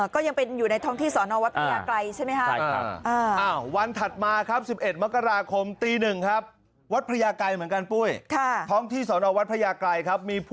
ก็ยังเป็นอยู่ในท้องที่สอนอวัดพญาไกรใช่ไหมครับ